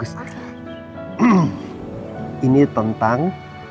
si buruk rupa